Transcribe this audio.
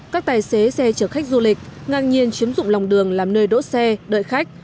các tài xế xe chở khách du lịch ngang nhiên chiếm dụng lòng đường làm nơi đỗ xe đợi khách